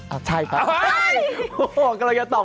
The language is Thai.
อะไรต่อมากัน